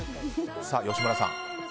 吉村さん。